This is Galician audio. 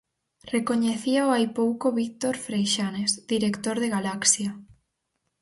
Recoñecíao hai pouco Víctor Freixanes, director de Galaxia.